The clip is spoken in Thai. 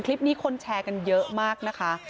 คลิปนี้คนแชร์กันเยอะมากนะคะ